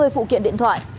bốn mươi phụ kiện điện thoại